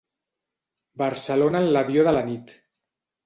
Barcelona en l'avió de la nit.